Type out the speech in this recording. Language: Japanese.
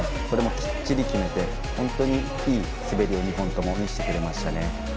それもきっちり決めて本当にいい滑りを２本とも見せてくれました。